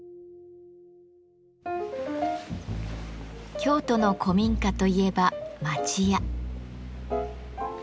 京都の古民家といえば「町家」。